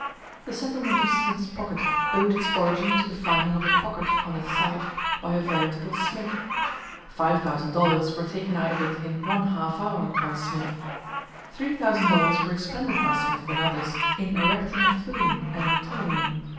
The settlement of Smith's Pocket owed its origin to the finding of a "pocket" on its site by a veritable Smith. Five thousand dollars were taken out of it in one half hour by Smith. Three thousand dollars were expended by Smith and others in erecting a flume and in tunneling.